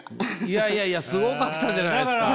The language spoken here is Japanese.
いやいやいやすごかったじゃないですか。